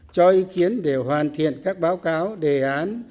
cho ý kiến để hoàn thiện các báo cáo đề án